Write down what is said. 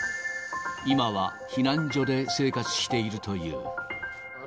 今は避難所で生活しているという。